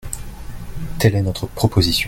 Telle est notre proposition.